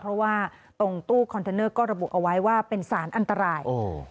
เพราะว่าตรงตู้คอนเทนเนอร์ก็ระบุเอาไว้ว่าเป็นสารอันตราย